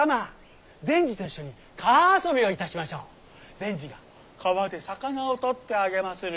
善児が川で魚を捕ってあげまする。